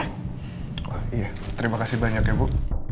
wah iya terima kasih banyak ya bu